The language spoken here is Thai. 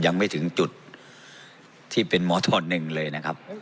ยังไม่ถึงจุดที่เป็นหมอทหนึ่งเลยนะครับ